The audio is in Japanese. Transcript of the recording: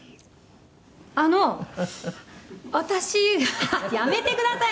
「あの私やめてください